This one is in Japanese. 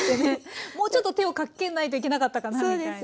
もうちょっと手をかけないといけなかったかなみたいな。